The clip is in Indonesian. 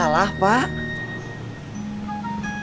masalah apa idan